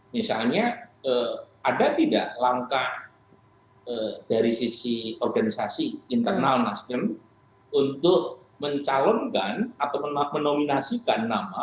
misalnya ada tidak langkah dari sisi organisasi internal nasdem untuk mencalonkan atau menominasikan nama